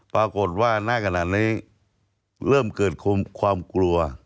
ปรากฏว่าณขณะนี้เริ่มเกิดความกลัว